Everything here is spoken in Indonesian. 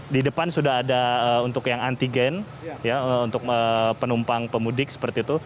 di depan sudah ada untuk yang antigen untuk penumpang pemudik seperti itu